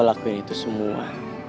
gua lakuin itu semua